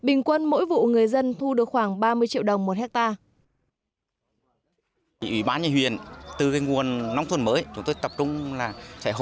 bình quân mỗi vụ người dân thu được khoảng ba mươi triệu đồng một hectare